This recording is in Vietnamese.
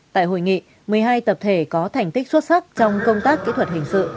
tại hội nghị một mươi hai tập thể có thành tích xuất sắc trong công tác kỹ thuật hình sự